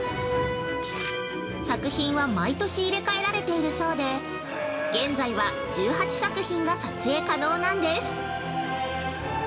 作品は毎年入れ替えられているそうで現在は１８作品が撮影可能なんです。